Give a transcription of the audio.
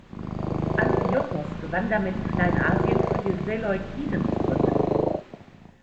Antiochos gewann damit Kleinasien für die Seleukiden zurück.